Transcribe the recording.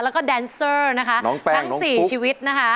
แล้วก็แดนเซอร์นะฮะน้องแป้งน้องกุ๊กทั้งสี่ชีวิตนะฮะ